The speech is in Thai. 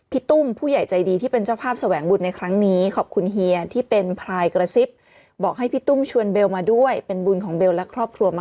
ตุ้มผู้ใหญ่ใจดีที่เป็นเจ้าภาพแสวงบุญในครั้งนี้ขอบคุณเฮียที่เป็นพลายกระซิบบอกให้พี่ตุ้มชวนเบลมาด้วยเป็นบุญของเบลและครอบครัวมาก